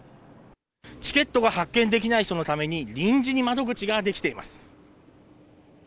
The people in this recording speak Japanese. チケットが発券できない人のために、臨時に窓口が出来ています。